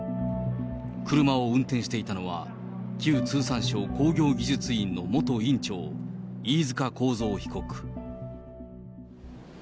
車を運転していたのは、旧通産省工業技術院の元院長、飯塚幸三被告。